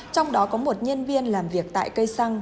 trong đó có một nhân viên làm việc tại cây xăng